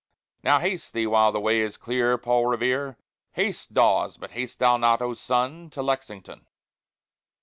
Now haste thee while the way is clear, Paul Revere! Haste, Dawes! but haste thou not, O Sun! To Lexington.